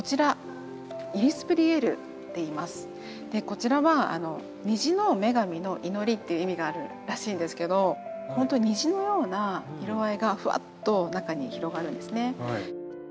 こちらは「虹の女神の祈り」っていう意味があるらしいんですけどほんとに虹のような色合いがふわっと中に広がるんですね。